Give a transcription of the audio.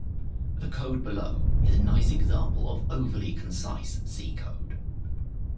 The code below is a nice example of overly concise C code.